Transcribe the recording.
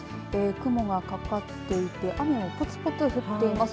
雲がかかっていて雨もぽつぽつ降っています。